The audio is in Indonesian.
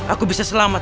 aku bisa selamat